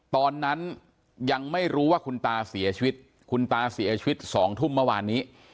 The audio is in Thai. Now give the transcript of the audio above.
ตอนนั้นยังไม่รู้ว่าคุณตาเสียชีวิตคุณตาเสียชีวิต๒ทุ่มเมื่อวานนี้